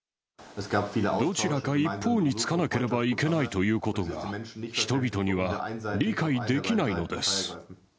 どちらか一方につかなければいけないということが、人々には理解できないのです。